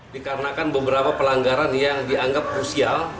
dikarenakan beberapa pelanggaran yang dianggap krusial